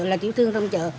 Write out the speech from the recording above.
là tiểu thương trong chợ